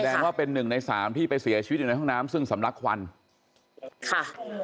ว่าเป็นหนึ่งในสามที่ไปเสียชีวิตอยู่ในห้องน้ำซึ่งสำลักควันค่ะ